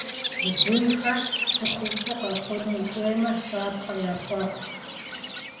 Уи бынхэр цӀыхуфӀу къэхъуну ухуеймэ, щапхъэ яхуэхъу.